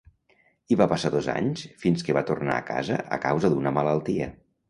Hi va passar dos anys fins que va tornar a casa a causa d'una malaltia.